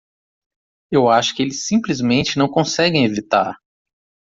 Eu acho que eles simplesmente não conseguem evitar.